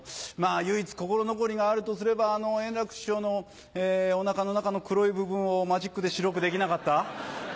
唯一心残りがあるとすれば円楽師匠のお腹の中の黒い部分をマジックで白くできなかった。